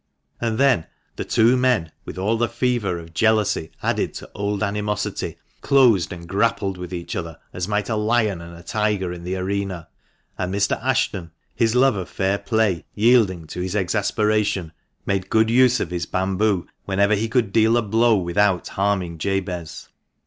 And then the two young men, with all the fever of jealousy added to old animosity, closed and grappled with each other as might a lion and a tiger in the arena. And Mr. Ashton, his love of fair play yielding to his exasperation, made good use of his bamboo whenever he could deal a blow without harming Jabez.